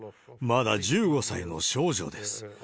まだ１５歳の少女です。